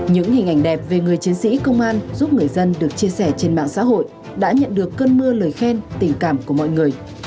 những hình ảnh đẹp về người chiến sĩ công an giúp người dân được chia sẻ trên mạng xã hội đã nhận được cơn mưa lời khen tình cảm của mọi người